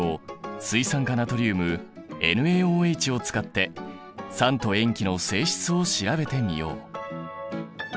水酸化ナトリウムＮａＯＨを使って酸と塩基の性質を調べてみよう。